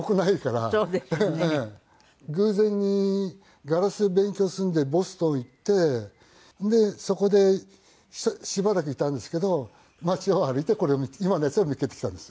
偶然にガラスを勉強するんでボストン行ってでそこでしばらくいたんですけど町を歩いて今のやつを見つけてきたんです。